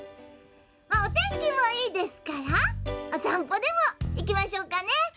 おてんきもいいですからおさんぽにいきましょうかね」。